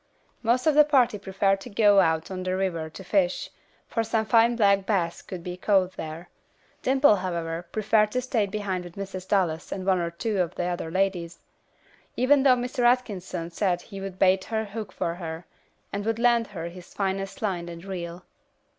Most of the party preferred to go out on the river to fish, for some fine black bass could be caught here. Dimple, however, preferred to stay behind with Mrs. Dallas and one or two of the other ladies, even though Mr. Atkinson said he would bait her hook for her, and would lend her his finest line and reel.